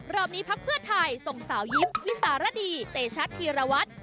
รอบนี้พรรพเภอไทยส่งสาวยิมฟิซาราดีเตชะธิรวรรดิ